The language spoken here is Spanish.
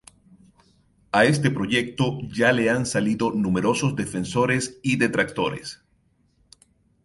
A este proyecto, ya le han salido numerosos defensores y detractores.